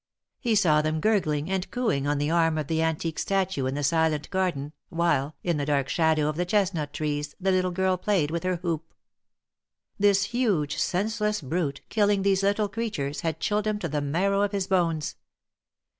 He saw them gurgling and cooing on the arm of the antique statue in the silent garden, while, in the dark shadow of the chestnut trees, the little girl played with her hoop. This huge, senseless brute, killing these little creatures, had chilled him to the marrow of his bones.